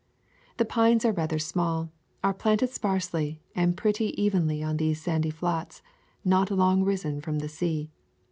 The pines are rather small, are planted sparsely and pretty evenly on these sandy flats not long risen from the sea.